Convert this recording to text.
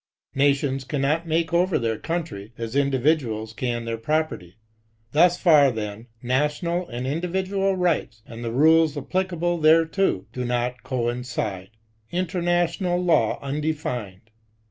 Nations cannot make otct their country, as individuals can their property. Thus far< then, national and individual rights, and the rules applicable thereto, do not coincide. International law undefined.